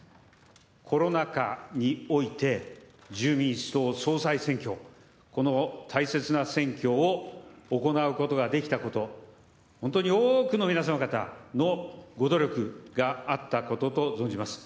コロナ禍において自由民主党総裁選挙、この大切な選挙を行うことができたこと、本当に多くの皆様方のご努力があったことと存じます。